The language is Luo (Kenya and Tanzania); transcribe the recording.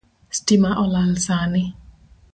Stima olal sani